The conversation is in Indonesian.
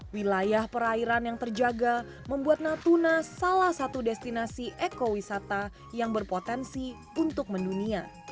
wilayah perairan yang terjaga membuat natuna salah satu destinasi ekowisata yang berpotensi untuk mendunia